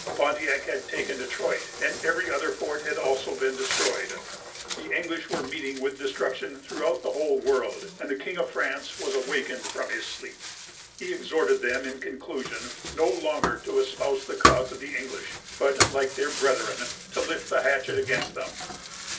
Pontiac had taken Detroit, and every other fort had also been destroyed. The English were meeting with destruction throughout the whole world, and the King of France was awakened from his sleep. He exhorted them, in conclusion, no longer to espouse the cause of the English, but, like their brethren, to lift the hatchet against them.